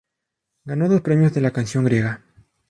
Ganó dos premios de la canción griega.